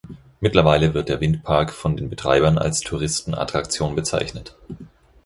Mittlerweile wird der Windpark von den Betreibern als Touristenattraktion bezeichnet.